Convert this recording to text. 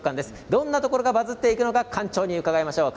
どんなところがバズっていくのか館長に伺いましょう。